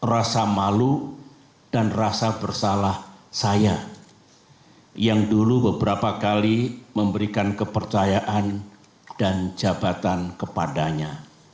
rasa malu dan rasa bersalah saya yang dulu beberapa kali memberikan kepercayaan dan jabatan kepadanya